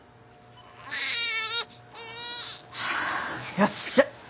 よっしゃ！